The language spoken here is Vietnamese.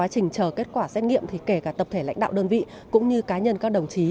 trình chờ kết quả xét nghiệm thì kể cả tập thể lãnh đạo đơn vị cũng như cá nhân các đồng chí